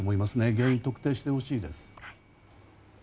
原因を特定してもらいたいです。